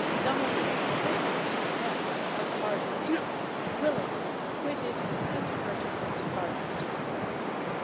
Dommaree was sentenced to death, but pardoned; Willis was acquitted; and Purchase was pardoned.